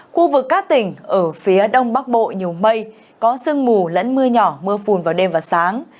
khu vực các tỉnh ở phía đông bắc bộ nhiều mây có sương mù lẫn mưa nhỏ mưa phùn vào đêm và sáng